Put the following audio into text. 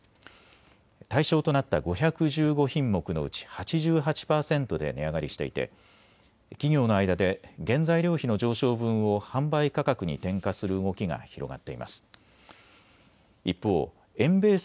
対象となった５１５品目のうち８８％で値上がりしていて企業の間で原材料費の上昇分を販売価格に転嫁する動きが広がっています。